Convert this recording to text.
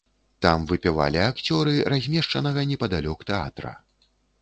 Там выпівалі акцёры размешчанага непадалёк тэатра.